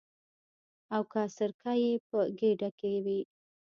او که سرکه یې په ګېډه کې وي.